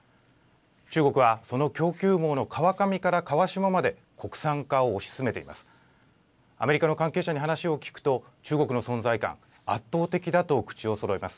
中国はその供給網の川上から川下まで国産化を推し進めています。